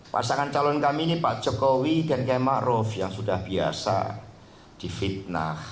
pasangan calon kami ini pak jokowi dan km maruf yang sudah biasa di fitnah